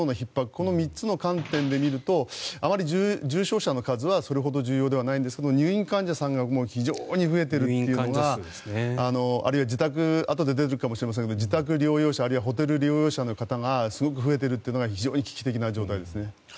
この３つの観点で見るとあまり重症者の数はそれほど重要ではないんですが入院患者数が非常に増えているというのはあるいはあとで出てくるかもしれませんが自宅療養者、ホテル療養者の方がすごく増えているというのが非常に危機的な状態ですね。